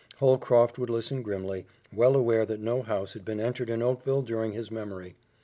Holcroft would listen grimly, well aware that no house had been entered in Oakville during his memory.